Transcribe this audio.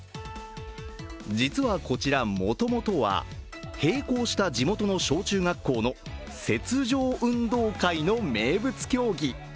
実はこちら、もともとは閉校した地元の小中学校の雪上運動会の名物競技。